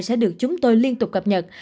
sẽ được chúng tôi liên tục cập nhật